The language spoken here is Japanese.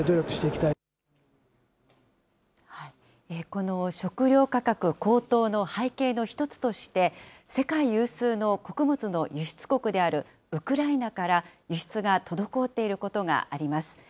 この食料価格高騰の背景の一つとして、世界有数の穀物の輸出国であるウクライナから輸出が滞っていることがあります。